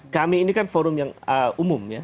kami ini kan forum yang umum ya